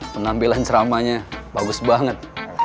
penampilan ceramahnya bagus banget